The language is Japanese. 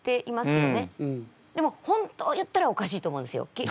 でも本当言ったらおかしいと思うんですよ。